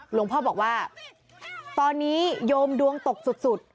หลวงพ่อบอกว่าตอนนี้โยมดวงตกสุด